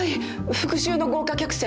『復讐の豪華客船』